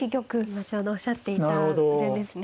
今ちょうどおっしゃっていた順ですね。